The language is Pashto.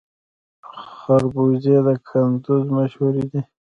خربوزې د کندز مشهورې دي